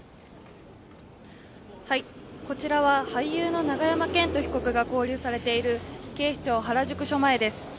こちらは俳優の永山絢斗被告が勾留されている警視庁原宿署前です。